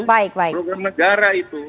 program negara itu